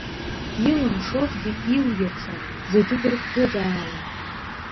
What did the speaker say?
Илымшозгьы илиршон, зегьы дрыхӡыӡаауан.